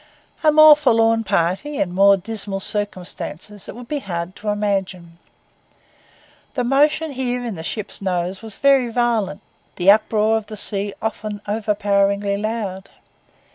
A more forlorn party, in more dismal circumstances, it would be hard to imagine. The motion here in the ship's nose was very violent; the uproar of the sea often overpoweringly loud.